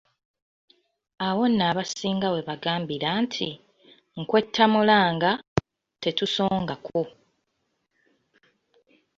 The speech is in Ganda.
Awo nno abasinga we baagambira nti, nkwetamulanga, tetusongako!